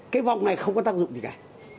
cái vòng này không có tác dụng gì cả